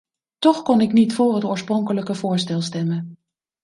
Toch kon ik niet voor het oorspronkelijke voorstel stemmen.